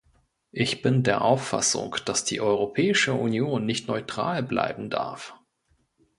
Ich bin der Auffassung, dass die Europäische Union nicht neutral bleiben darf.